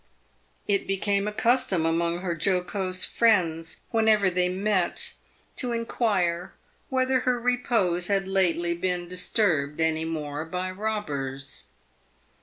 It became a custom among her jocose friends, whenever they met, to inquire whether her repose had lately been disturbed any more by robbers.